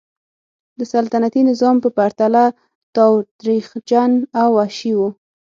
د سلطنتي نظام په پرتله تاوتریخجن او وحشي و.